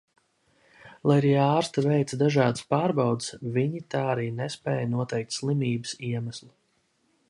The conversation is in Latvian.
Lai arī ārsti veica dažādas pārbaudes, viņi tā arī nespēja noteikt slimības iemeslu.